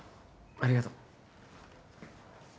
ありがとう。